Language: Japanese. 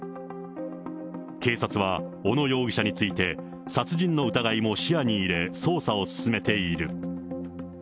警察は、小野容疑者について、殺人の疑いも視野に入れ捜査を進めている。